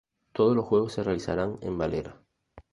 Todos los juegos se realizarán en Valera.